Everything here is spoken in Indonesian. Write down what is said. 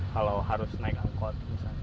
kalau harus naik angkut